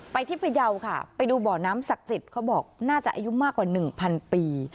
ที่พยาวค่ะไปดูบ่อน้ำศักดิ์สิทธิ์เขาบอกน่าจะอายุมากกว่า๑๐๐ปี